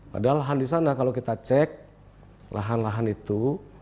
padahal lahan di sana kalau kita cek lahan lahan itu